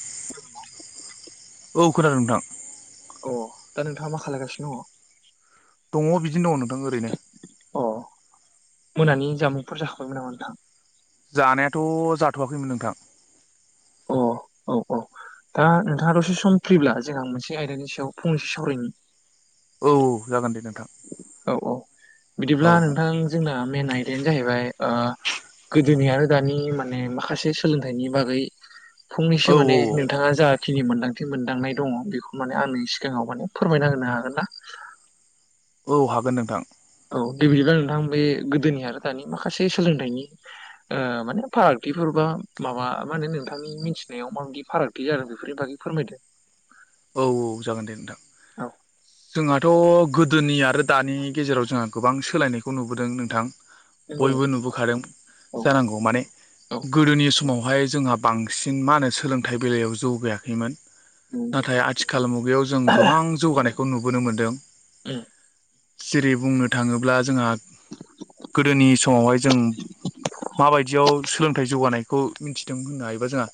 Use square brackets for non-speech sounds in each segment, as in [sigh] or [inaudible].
[unintelligible] औ खोनादों नोंथां अ दा नोंथाङा मा खालायगासिनो दङ'। दङ बिदिनो दङ नोंथां ओरैनो। अ मोनानि जामुंफोर जाखाबायमोन नामा नोंथां? जानायाथ' जाथ'वाखैमोन नोंथां। अ औ औ दा नोंथाङा दसे सम फ्रिब्ला जोंहा मोनसे आयदानि सायाव फंनैसो सावरायनि। औ जागोन दे नों औ औ बिदिब्ला नोंथां जोंना मेन आयदायानो जाहैबाय ओ गोदोनि आरो दानि माने माखासे सोलोंथाइनि बागै औ फंनैसो माने औ नोंथाङा जा खिनि मोनदांथि मोनदांनाय दङ बेखौ माने आंनि सिगाङाव माने फोरमायना होनो हागोन ना? औ हागोन नोंथां औ दे बिदिबा नोंथां बे गोदोनि आरो दानि माखासे सोलोंथाइनि ओ माने फारागथिफोरबा माबा मा होनो नोंथांनि मिथिनायाव माबायदि फारागथि जादों बेफोरनि बागै फोरमायदो। औ औ जागोन दे नोंथां। औ जोंहाथ' गोदोनि आरो दानि गेजेराव जोंहा गोबां सोलायनायखौ नुबोदों नोंथां। नंगौ बयबो नोंथां नुबोखादों औ जानांगौ माने गोदोनि समावहाय जोंहा बांसिन मा होनो सोलोंथाइ बेलायाव जौगायाखैमोन। नाथाय आथिखाल मुगायाव जों गोबां जौगानायखौ नुबोनो मोनदों। [unintelligible] जेरै बुंनो थांङोब्ला जोंहा गोदोनि समावहाय जों माबायदियाव सोलोंथाइ जौगानायखौ मिथिदों होननो हायोबा जोंहा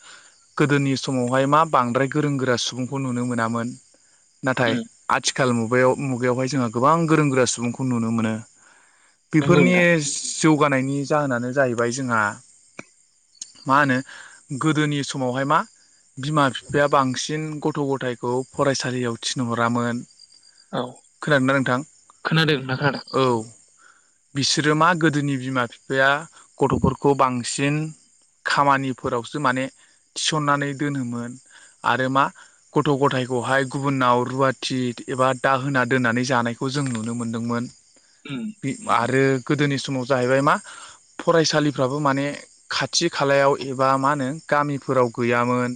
गोदोनि समावहाय मा बांद्राय गोरों गोरा सुबुंखौ नुनो मोनामोन। नाथाय आथिखाल आथिखाल मुगायाव मुगायावहाय जोंहा गोबां गोरों गोरा सुबुंखौ नुनो मोनो। नंगौ उम नंगौ बेफोरनि नोंथां जौगानायनि जाहोनानो जाहैबाय जोंहा मा होनो गोदोनि समावहाय मा बिमा - बिफाया बांसिन गथ' गथ' गथायखौ फरायसालियाव थिनहरामोन। औ खोनादों ना नोंथां खोनादों नोंथां खोनादों औ? बिसोरो मा गोदोनि बिमा - बिफाया गथ'फोरखौ बांसिन खामानिफोरावसो माने थिसननानै दोनोमोन आरो मा गथ' गथायखौहाय गुबुनाव रुवाथि एबा दाहोना दोननानै जानायखौ जों नुनो मोनदोंमोन। उम आरो गोदोनि समाव जाहैबाय मा फरायसालिफ्राबो माने खाथि खालायाव एबा मा होनो गामिफोराव गैयामोन।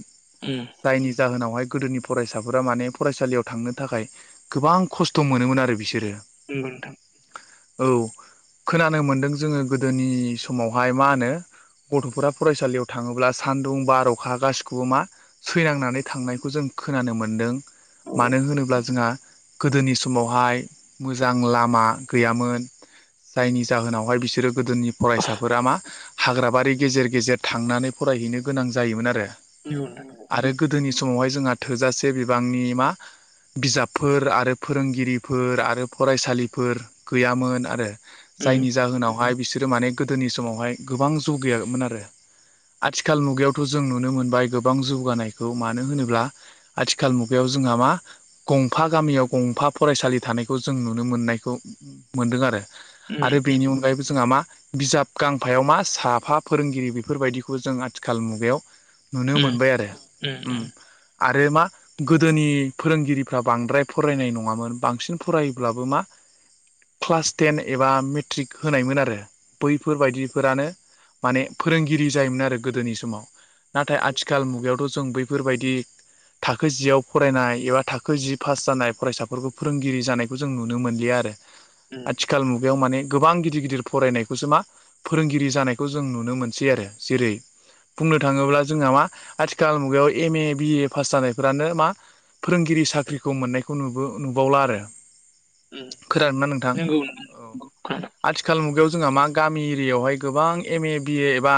उम जायनि जाहोनाव गोदोनि फरायसाफोरा माने फरायसालियाव थांनो थाखाय गोबां खस्थ' मोनोमोन आरो बिसोरो औ नोंथां औ खोनानो मोनदों जोंङो गोदोनि समावहाय मा होनो? गथ'फोरा फरायसालियाव थाङोब्ला सान्दुं बार'खा गासिखौबो मा सैनांनानै थांनाय खौ जों खोनानो मोनदों औ मानो होनोब्ला जोंहा गोदोनि समावहाय मोजां लामा गैयामोन। जायनि जाहोनावहाय बिसोरो गोदोनि फरायसाफोरा मा हाग्राबारि गेजेर गेजेर थांनानै फराय बायहैनो गोनां जायोमोन आरो। [unintelligible] आरो [unintelligible] गोदोनि समावहाय जोंहा थोजासे बिबांनि मा बिजाबफोर आरो फोरोंगिरिफोर आरो फरायसालिफोर गैयामोन आरो। उम जायनि जाहोनावहाय बिसोरो माने गोदोनि समावहाय गोबां जौ गैयामोन आरो। आथिखाल मुगायावथ' जों नुनो मोनबाय गोबां जौगानायखौ मानो मानो होनोब्ला आथिखाल मुगायाव जोंहा मा गंफा गामियाव गंफा फरायसालि थानायखौ जों जों नुनो मोननायखौ मोनदों आरो उम आरो उम बेनि अनगायैबो जोंहा मा बिजाब गांफायाव मा साफा फोरोंगिरि बेफोरबायदिखौबो जों आथिखाल मुगायाव नुनो मोनबाय आरो आरो मा गोदोनि फोरोंगिरिफ्रा बांद्राय फरायनाय नंङामोन बांसिन फरायोब्लाबो मा क्लास टेन एबा मेट्रिक होनायमोन आरो बैफोरबायायदिफोरानो माने फोरोंगिरि जायोमोन आरो गोदोनि समाव नाथाय आथिखाल मुगायावथ' जों बै बेफोरबायदि थाखो जियाव फरायनाय एबा थाखो जि पास जानाय फरायसाफोरखौ फोरोंगिरि जानायखौ जों नुनो मोनलिया आरो। आथिखाल मुगायाव माने गोबां गिदिर गिदिर फरायनायखौसो मा फोरोंगिरि जानायखौ जों नुनो मोनसै आरो जेरै बुंनो थांङोब्ला जोंहा मा आथिखाल मुगायाव एम ए बिए पास जानायफोरानो मा फोरोंगिरि साख्रिखौ मोननायखौ नु नुबावला आरो उम खोनादों नोंथां नंगौ नोंथां औ नंगौ खोनादों आथिखाल मुगायाव जोंहा मा गामि एरियायावहाय गोबां एम ए बिए एबा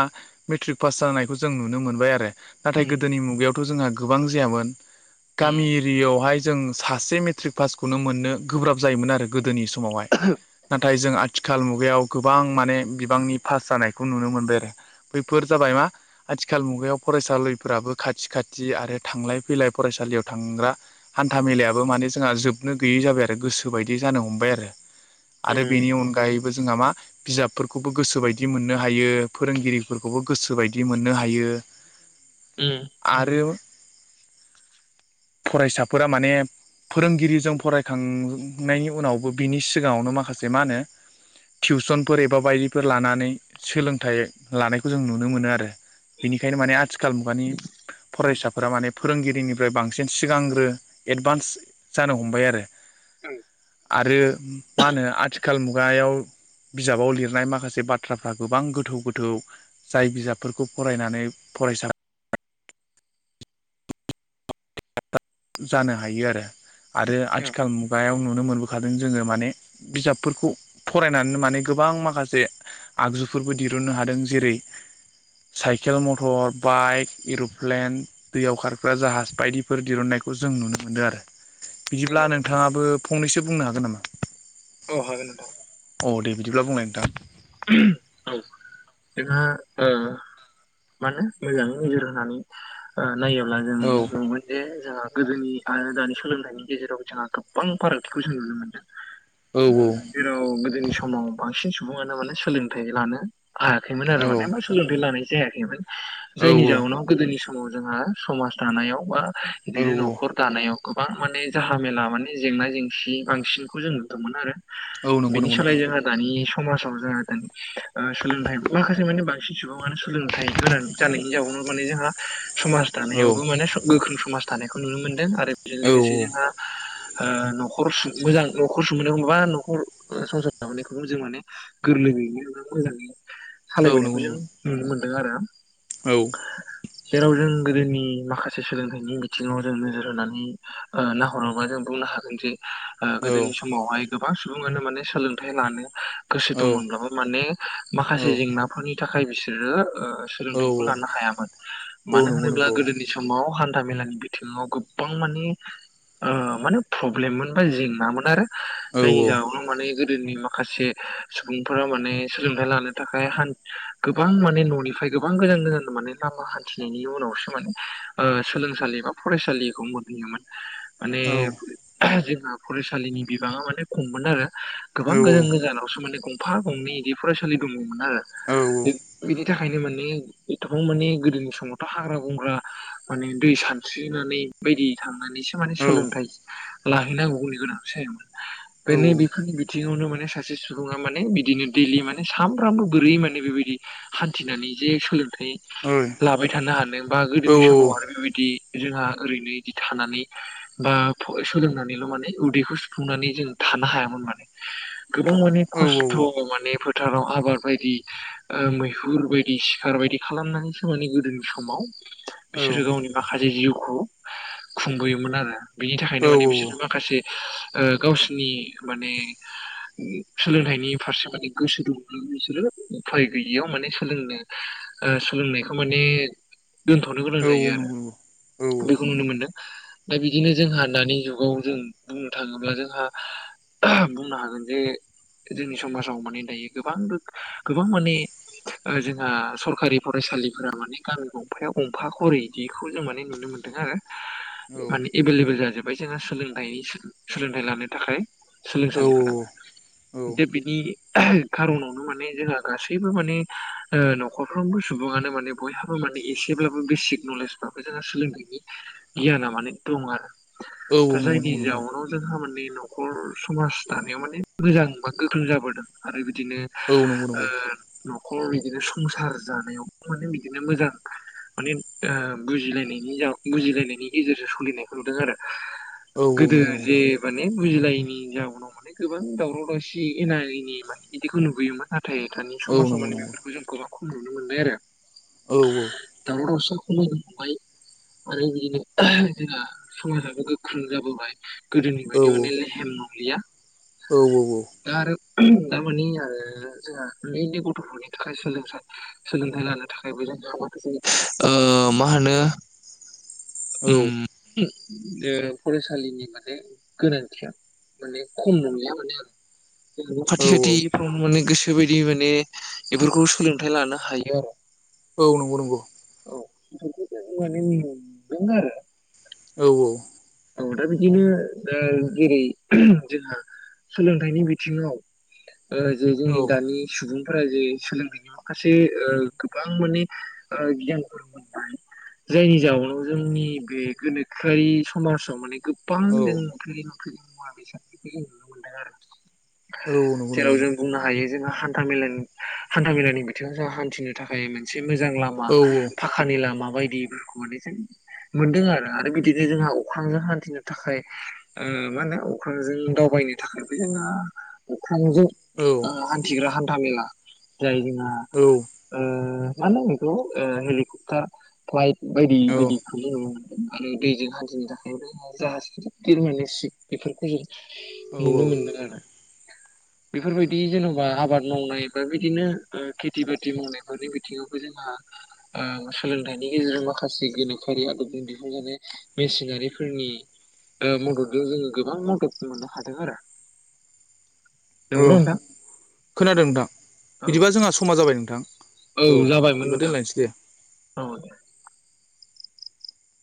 मेट्रिक पास जानायखौ जों नुनो मोनबाय आरो। नाथाय उम गोदोनि मुगायावथ' जोंहा गोबां जायामोन गामि उम एरिया यावहाय जों सासे मेट्रिक पासखौनो मोननो गोब्राब जायोमोन आरो गोदोनि समावहाय नाथाय जों आ थिखाल मुगायाव गोबां माने बिबांनि पास जानायखौ नुनो मोनबाय आरो। बैफोर जाबाय मा आथिखाल मुगायाव फरायसालैफोराबो खाथि खा थि आरो थांलाय फैलाय फरायसालियाव थांग्रा हान्था मेलायाबो माने जोंहा जोबनो गैयै जाबाय आरो। गो सो बायदि जानो हमबाय आरो आरो उम बेनि अनगायैबो जोंहा मा बिजाबफोरखौबो गोसोबायदि मोननो हायो फोरोंगिरिफोरखौबो गोसोबायदि मोननो हायो। उम आरो [inaudible] फरायसाफोरा माने फोरोंगिरिजों फरायखांनायनि उनावबो बिनि सिगाङावनो माखासे मा होनो टिउसनफोर एबा बायदिफोर लानानै सोलोंथाइ लानायखौ जों नुनो मोनो आरो। बिनिखायनो माने आथिखाल मुगानि फरायसाफोरा माने फोरोंगिरिनिफ्राय बांसिन सिगांग्रो एडभान्स जानो हमबाय आरो। आरो मा होनो आथिखाल मुगायाव बिजाबाव लिरनाय माखासे बाथ्राफ्रा गोबां गोथौ गोथौ जाय बिजाबफोरखौ फरायनानै फरायसा जानो हायो आरो आरो औ आथिखाल मुगायाव नुनो मोनबो खादों जोङो माने बिजाबफोरखौ फरायनानै माने गोबां माखासे आगजुफोरबो दि रुननो हादों । जेरै साइकेल, मटर, बाइक, एरप्लेन, दैयाव खारग्रा जाहाज बायदिफोर दरुन्नाय खौ जों नुनो मोनदों आरो बिदिब्ला नंगौ नंगौ नोंथाङाबो फंनैसो बुंनो हागोन नामा औ हागोन नोंथां। अ दे बिदिब्ला बुंलाय नोंथां। [unintelligible] औ जोंहा ओ मानो मोजाङै नोजोर होनानै ओ नायोब्ला जों औ नुगोन जे जोंहा गोदोनि आरो दानि सोलोंथाइनि गेजेराव जोंहा गोबां फारागथिखौ जों नुनो मोनदों। औ ओ जेराव गोदोनि समाव बांसिन सुबुङानो माने सोलोंथाइ लानो हायाखैमोन आरो औ माने बा सोलोंथाइ लानाय जायाखैमोन जायनि जाउनाव गोदोनि स माव जोंहा समाज दानायाव बा औ इदिनो औ नखर दानायाव गोबां माने जाहामेला माने जेंना जेंसि बांसिनखौ जों नुदोंमोन आरो। औ नंगौ बिनि नंगौ सोलाय नोंथां जोंहा दानि समाजाव जों ओ सोलोंथाइ माखासे माने बांसिन सुबुङानो सोलोंथाइ गोनां जानायनि जाउनाव माने जोंहा समाज औ दानायावबो माने गोख्रों समाज दानायखौ नुनो मोनदों आरो बेजों औ लोगोसे जोंहा ओ नखर सुं मोजां नखर सुंबोनायखौ बा नखर संसार जाबोनायखौ जों माने गोरलैयैनो मोजाङै औ सालायबोनायखौ नंगौ जों नंगौ नुनो मोन्दों आरो। औ। जेराव जों गोदोनि माखासे सोलोंथाइनि बिथिङाव जों नोजोर होनानै ओ नाहरोबा जों बु बुंनो होगोनजे ओ औ गोदोनि समावहाय गोबां सुबुङानो माने सोलोंथाइ लानो गोस औ दंमोनब्लाबो माने माखासे जेंनाफोरनि थाखाय बिसोरो ओ सोलोंथाइखौ लानो हायामोन औ मानो नंगौ होनोब्ला नंगौ गोदोनि समाव हान था मेलानि बिथिङाव गोबां मानि ओ माने प्रब्लेममोन बा जेंनामोन आरो। औ जायनि औ जाउनाव माने गोदोनि माखासे सुबुंफोरा माने सोलोंथाइ लानो थाखाय हान गोबां माने ननिफ्राय गोबां गोजान गोजान माने ला मा हान्थिनायनि उनावसो माने ओ सोलोंसालि बा फरायसालिखौ मोनहैयोमोन। माने जोंहा फरायसालिनि बिबाङा माने खममोन आरो। गोबां औ औ औ गोजान गोजानावसो माने गंफा गंनै बिदि फरायसालि दं आरो बिनि थाखाय ओंखायनो माने एथबां माने गोदोनि समावथ हाग्रा बंग्रा माने दै सानस्रिनानै बायदि थाङो सोलोंथाइ लाहैनांगौनि गोनां जायोमोन नै‌ बे औ बेफोरनि बिथिङावनो सासे‌ सुबुङा माने बिदिनो दैलि माने सानफ्रामबो बोरै माने बेबायदि हान्थिनानै जे सोलों थाय औ औ [unintelligible] लाबाय थानो हादों बा गोदोनि समाव आरो औ बेबायदि जोंहा ओरैनो बिदि थानानै बा सोदांनानैल' माने उदैखौ सुफुंनानै जों थानो हायामोन माने गोबां माने नंगौ नंगौ खसथ' माने भुटानाव आबाद बायदि मैहुर बायदि सिखार बायदि खालामनानैसो माने गोदोनि समाव बिसोरो गावनि माखासे जिउखौ खुंबोयोमोन आरो बिनि थाखायनो माने बिसोर माखासे ओ गावसिनि माने सोलोंथाइनि फारसे माने गोसो दंब्ला बिसोरो उफाय गैयैयाव माने सोलोंनो ओ सोलोंनायखौ माने दोनथ'नो गोनां जायो आरो औ बेखौ नुनो मोनदों दा बिदिनो जोंहा दानि जुगाव जों बुंनो थाङोब्ला जोंहा बुंनो हागोन जे जोंनि समाजाव माने दायो गोबां गोबां माने जोंहा सरकारिफोर फरायसालिफोरा माने गामि गंफायाव गंफा खरै इदिखौ जों माने नुनो मोनदों आरो औ माने एभेलेबेल जाजोबबाय जोंना सोलोंथाइ सोलोंथाइ लानो थाखाय औ सोलोंसालिफोरा औ जे बिनि खारनावनो माने जोंहा गासैबो माने ओ न'खरफ्रामबो सुबुङानो माने बयहा बो एसेब्लाबो बेसिक नलेजफ्राबो जोंहा सोलोंथाइनि गियाना माने दं आरो औ दा नंगौ जायनि नंगौ नोंथां जाउनाव जोंहा माने न'खर समाज दानायाव माने मोजां बा गोख्रों जाबोदों आरो बिदिनो औ नंगौ आ नंगौ न'खर बिदिनो संसार जानायाव माने बिदिनो मोजां माने ओ बुजिलायनायनि जा बुजिलायनायनि गेजेरजों सोलिनायखौ नुदों आरो औ गोदो नंगौ नंगौ जे नोंथां माने बुजिलायनि जाउनाव माने गोबां दावराव दावसि जि एना-एनि माने बिदिखौ नुबोयोमोन नाथाय दानि औ समाजाव नंगौ माने नंगौ बेफोरखौ जोंखौ खम नुनो मोनबाय आरो औ दावराव-दावसि यनो [unintelligible] खमायलांबाय बाय आरो बिदिनो जोंहा समाजाबो गोख्रों जाबोबाय गोदोनि औ बायदि माने लेहेम नंलिया औ औ औ दा आरो दामाने आरो जोंहा उनदै उनदै गथ'फोरनि थाखाय सोलोंथाइ लानाय थाखायबो जों [unintelligible] ओ मा होनो ओम ओ फरायसालिनि माने गोनांथिया माने खम नंलिया माने आं ज [unintelligible] औ खाथि खाथिफ्राव माने गोसो बायदि माने बेफोरखौ सोलोंथाइ लानो हायो आरो औ नंगौ नंगौ [unintelligible] नियम दं आरो औ औ औ दा ओ बिदिनो जेरै जोंहा सोलोंथाइनि बिथिङाव ओ जे जोंनि औ दानि सुबुं फोरा जे सोलोंथाइनि माखासे ओ गोबां माने गियानफोर मोनबाय जायनि जाउनाव जोंनि बे गोनोखोयारि समाजाव माने गोबां औ जों नुफेरै नुफेरै मुवा-बेसादखौ जों नुनो मोनदों आरो औ नंगौ जेराव जों नोंथां बुंनो हायो जोंहा हा हानथा- मेलानि बिथिङाव जों हानथिनो थाखाय मोनसे मोजां लामा औ फाखानि लामा बायदिफोरखौ माने जों मोनदों आरो आरो बिदिनो जोंहा खांजों हानथिनो थाखाय ओ माने अख्रांजों दावबायनो थाखायबो जोङो अखं ख्रांजों औ औ हानथिग्रा हानथा मेला जाय जोंहा औ मानो नांगौ बेखौ ओ हेलिकप्टार, फ्लाइट बायदि बायदिखौ जों आरो दैजों हानथिनो थाखाय जाहाज गिरमनो [unintelligible] सिक बेफोरखौ जों नुनो मोनदों आरो। बेफोरबायदि जेन'बा आबाद मावनाय बा बिदिनो ओ खेथि बाथि मावनायफोरनि बिथिङावबो जोंहा। ओ सोलोंथाइनि गेजेरजों माखासे गोनोखोयारि आदबजों दिहुनजानाय मेसिनारि फोरनि मददजों जोङो गोबां मदद मोननो हादों आरो औ नंगौना नोंथां खोनादों नोंथां औ बिदिबा जोंहा समा जाबाय नोंथां। औ जाबायमोन बिदिबा नोंथां दोनलायनोसै दे। औ दे।